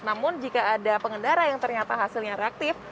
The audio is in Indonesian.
namun jika ada pengendara yang ternyata hasilnya reaktif